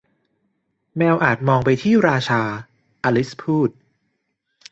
แมวอาจมองไปที่ราชา อลิซพูด